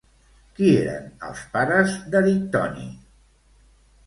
Qui eren els pares d'Erictoni?